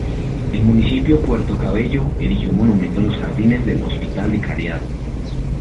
El Municipio Puerto Cabello erigió un monumento en los jardines del "Hospital de Caridad".